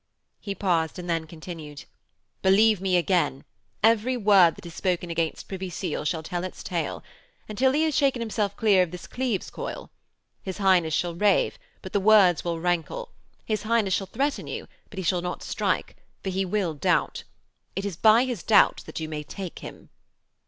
He paused and then continued: 'Believe me again. Every word that is spoken against Privy Seal shall tell its tale until he hath shaken himself clear of this Cleves coil. His Highness shall rave, but the words will rankle. His Highness shall threaten you but he shall not strike for he will doubt. It is by his doubts that you may take him.'